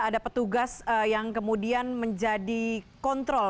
ada petugas yang kemudian menjadi kontrol